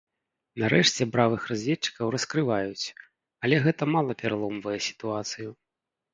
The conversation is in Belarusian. Нарэшце бравых разведчыкаў раскрываюць, але гэта мала пераломвае сітуацыю.